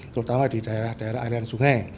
terutama di daerah daerah air dan sungai